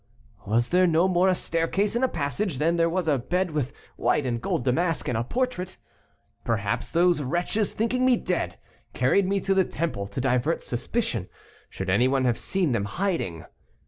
Was there no more a staircase and a passage, than there was a bed with white and gold damask, and a portrait? Perhaps those wretches, thinking me dead, carried me to the Temple, to divert suspicion, should any one have seen them hiding.